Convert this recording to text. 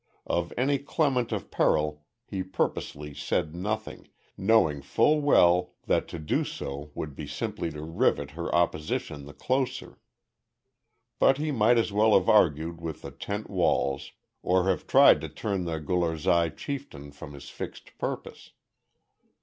Of any clement of peril he purposely said nothing, knowing full well that to do so would be simply to rivet her opposition the closer. But he might as well have argued with the tent walls, or have tried to turn the Gularzai chieftain from his fixed purpose.